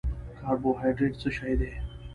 کاربوهایډریټ څه شی دی؟